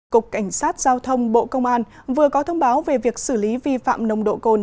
cục cảnh sát giao thông bộ công an vừa có thông báo về việc xử lý vi phạm nồng độ cồn